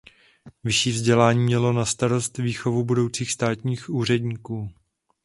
Vyšší vzdělání mělo na starost výchovu budoucích státních úředníků.